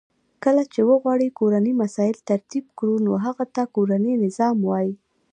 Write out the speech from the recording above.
کله چی وغواړو کورنی مسایل ترتیب کړو نو هغه ته کورنی نظام وای .